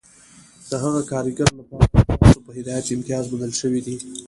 د هغه کارګر لپاره ستاسو په هدایت امتیاز منل شوی دی